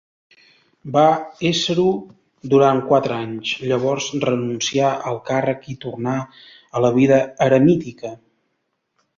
Va ésser-ho durant quatre anys; llavors renuncià al càrrec i tornà a la vida eremítica.